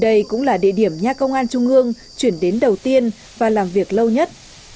đây cũng là địa điểm nha công an trung ương chuyển đến đầu tiên và làm việc lâu nhất